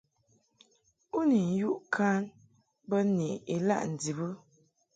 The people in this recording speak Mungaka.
U ni yuʼ kan bə ni ilaʼ ndib ɨ ?